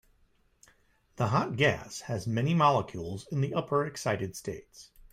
The hot gas has many molecules in the upper excited states.